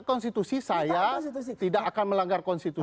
konstitusi saya tidak akan melanggar konstitusi